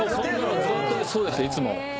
ずーっとそうでしたいつも。